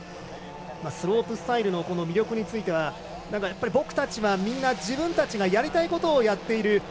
スロープスタイルの魅力について僕たちはみんな、自分たちがやりたいことをやっている。